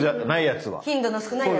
頻度の少ないやつ。